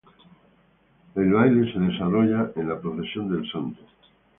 El baile se desarrolla en la procesión del santo.